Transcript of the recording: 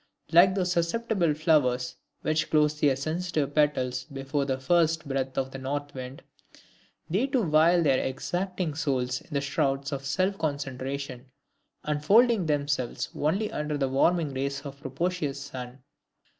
Like those susceptible flowers which close their sensitive petals before the first breath of the North wind, they too veil their exacting souls in the shrouds of self concentration, unfolding themselves only under the warming rays of a propitious sun.